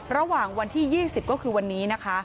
ระหว่างวันที่๒๐ก็คือวันนี้นะคะ